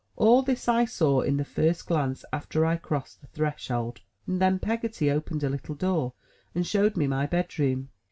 All this I saw in the first glance after I crossed the threshold, and then Peggotty opened a little door and showed me my bed room.